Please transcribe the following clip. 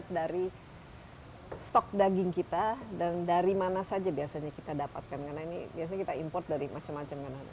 serius orang kata biar coba achieving abangmu